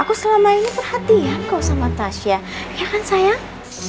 aku selama ini perhatian kok sama tasya ya kan sayang